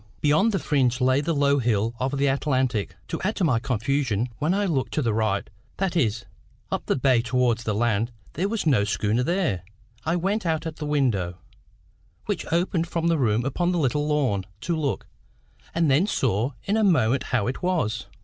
Beyond the fringe lay the low hill of the Atlantic. To add to my confusion, when I looked to the right, that is, up the bay towards the land, there was no schooner there. I went out at the window, which opened from the room upon the little lawn, to look, and then saw in a moment how it was.